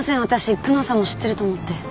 私久能さんも知ってると思って。